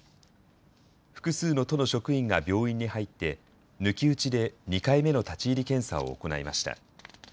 複数の都の職員が病院に入って抜き打ちで２回目の立ち入り検査を行いました。